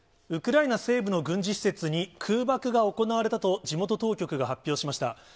ウクライナ西部の軍事施設に空爆が行われたと、地元当局が発表しました。